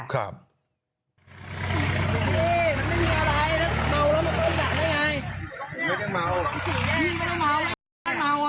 ผู้ชายคนนี้คือเขาก็มากลับที่บ้านเขานะคะ